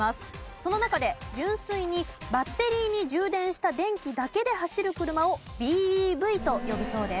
その中で純粋にバッテリーに充電した電気だけで走る車をＢＥＶと呼ぶそうです。